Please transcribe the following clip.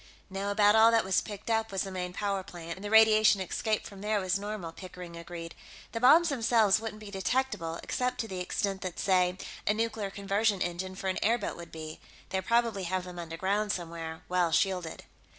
"No, about all that was picked up was the main power plant, and the radiation escape from there was normal," Pickering agreed. "The bombs themselves wouldn't be detectable, except to the extent that, say, a nuclear conversion engine for an airboat would be. They probably have them underground, somewhere, well shielded."